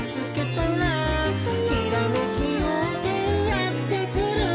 「ひらめきようせいやってくる」